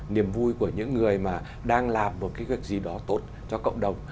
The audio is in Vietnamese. niềm vui của những người mà đang làm một cái việc gì đó tốt cho cộng đồng